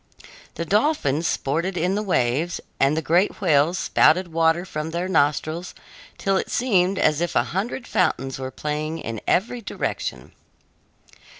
The dolphins sported in the waves, and the great whales spouted water from their nostrils till it seemed as if a hundred fountains were playing in every direction.